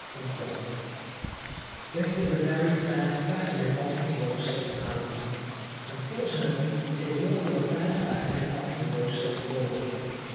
*' This is a very fair specimen of his lordship's manners. Unf ortunately, it is also a fair specimen of his lordship's law.